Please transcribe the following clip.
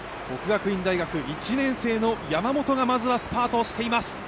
國學院大学１年生の山本がまずはスパートしています。